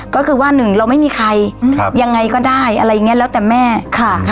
ก็คือว่าหนึ่งเราไม่มีใครยังไงก็ได้อะไรอย่างเงี้ยแล้วแต่แม่ค่ะ